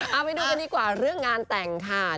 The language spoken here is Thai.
เอาไปดูกันดีกว่าเรื่องงานแต่งค่ะ